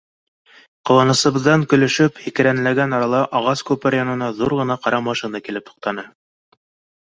Ҡыуанысыбыҙҙан көлөшөп, һикерәнләгән арала ағас күпер янына ҙур ғына ҡара машина килеп туҡтаны.